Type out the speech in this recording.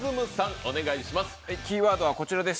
お願いします。